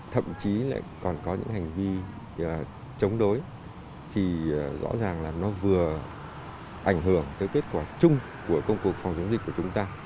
thậm chí lại còn có những hành vi chống đối thì rõ ràng là nó vừa ảnh hưởng tới kết quả chung của công cuộc phòng chống dịch của chúng ta